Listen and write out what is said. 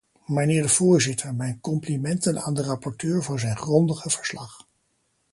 Mijnheer de voorzitter, mijn complimenten aan de rapporteur voor zijn grondige verslag.